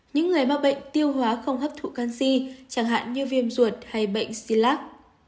những người mắc bệnh tiêu hóa không hấp thụ canxi chẳng hạn như viêm ruột hay bệnh xy lắc